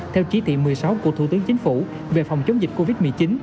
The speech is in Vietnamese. theo chỉ thị một mươi sáu của thủ tướng chính phủ về phòng chống dịch covid một mươi chín